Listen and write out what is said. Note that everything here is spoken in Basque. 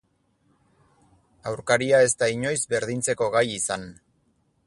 Aurkaria ez da inoiz berdintzeko gai izan.